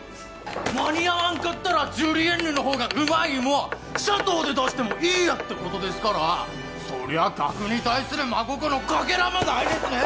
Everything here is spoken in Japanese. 間に合わんかったらジュリエンヌのほうがうまい芋シャトーで出してもいいやってことですからそりゃ客に対する真心のかけらもないですねえ